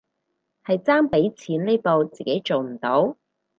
係差畀錢呢步自己做唔到